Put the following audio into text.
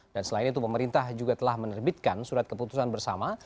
dan selain itu pemerintah juga telah menerbitkan surat keputusan bersama